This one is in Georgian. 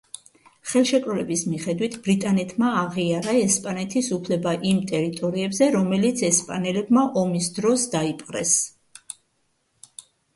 ხელშეკრულების მიხედვით ბრიტანეთმა აღიარა ესპანეთის უფლება იმ ტერიტორიებზე რომელიც ესპანელებმა ომის დროს დაიპყრეს.